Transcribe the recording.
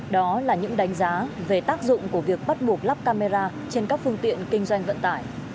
đó là những đánh giá về tác dụng của việc bắt buộc lắp camera trên các phương tiện kinh doanh vận tải